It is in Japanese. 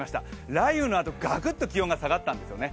雷雨のあと、がくっと気温が下がったんですよね。